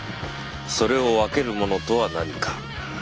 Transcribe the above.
それを分けるものとは何か。